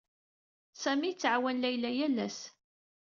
Sami yettɛawan Layla yal ass.